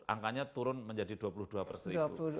angkanya turun menjadi dua puluh dua perseribu